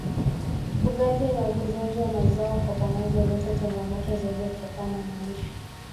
Ufugaji na ukuzaji wa mazao kwa pamoja huleta changamoto zaidi kutokana na malisho